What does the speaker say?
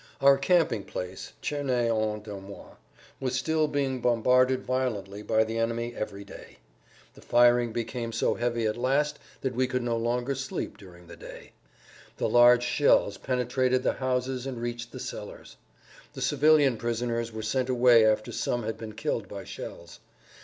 Our camping place, Cerney en Dormois, was still being bombarded violently by the enemy every day. The firing became so heavy at last that we could no longer sleep during the day. The large shells penetrated the houses and reached the cellars. The civilian prisoners were sent away after some had been killed by shells.